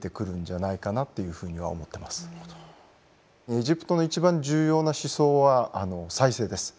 エジプトの一番重要な思想は再生です。